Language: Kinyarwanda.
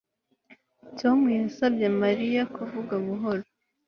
Tom yasabye Mariya kuvuga buhoro